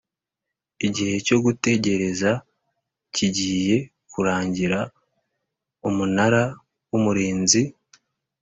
igihe cyo gutegereza kigiye kurangira Umunara w Umurinzi